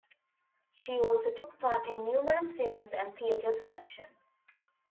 She also took part in numerous films and theater productions.